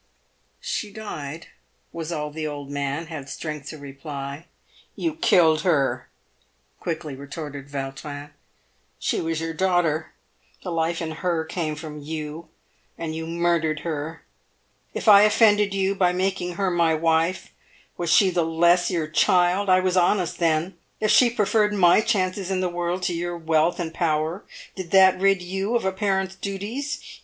" She died," was all the old man had strength to reply. "You killed her," quickly retorted Yautrin. "She was your daughter. The life in her came from you, and you murdered her. If I offended you by making her my wife, was she the less your child ? I was honest then ! If she preferred my chances in the world to your wealth and power, did that rid you of a parent's duties